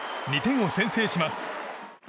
２点を先制します。